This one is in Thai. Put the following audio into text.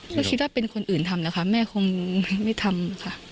ก็คิดว่าเป็นคนอื่นทำนะคะแม่คงไม่ทำ